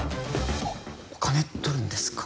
あっお金取るんですか？